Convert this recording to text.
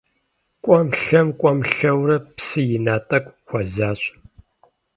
КӀуэм-лъэм, кӀуэм-лъэурэ, псы ина тӀэкӀу хуэзащ.